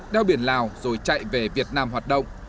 đeo biển lào rồi chạy về việt nam hoạt động